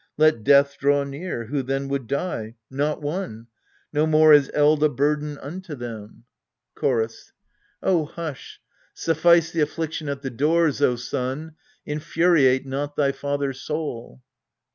Let death draw near who then would die? Not one No more is eld a burden unt< them. ALCESTIS 221 Chorus. Oh, hush ! Suffice the affliction at the doors, O son, infuriate not thy father's soul.